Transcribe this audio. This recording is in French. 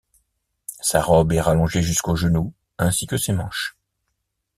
Sa robe est rallongée jusqu'au genou ainsi que ses manches.